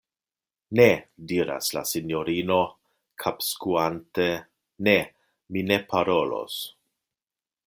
Ne! diras la sinjorino, kapskuante, Ne! mi ne parolos!